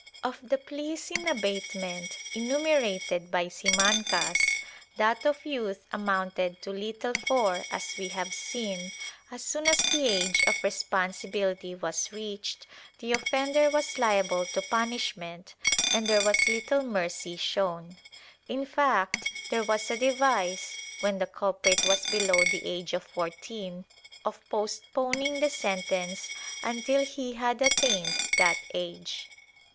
Of the pleas in abatement enumerated by Simancas, that of youth amounted to httle for, as we have seen, as soon as the age of responsibility was reached, the offender was Uable to punish ment, and there was little mercy shown. In fact, there was a device, when the culprit was below the age of fourteen, of post poning the sentence until he had attained that age.'